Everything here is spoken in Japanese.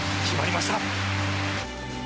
決まりました。